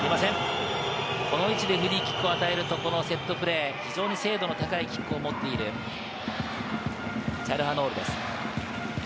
この位置でフリーキックを与えると、このセットプレー、非常に精度の高いキックを持っている、チャルハノールです。